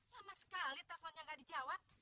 lama sekali teleponnya gak dijawab